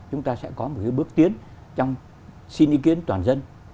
chúng ta sẽ có một bước tiến trong xin ý kiến toàn dân